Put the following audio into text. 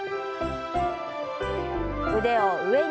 腕を上に。